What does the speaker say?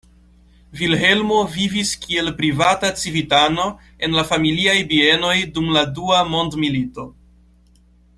Vilhelmo vivis kiel privata civitano en la familiaj bienoj dum la Dua Mondmilito.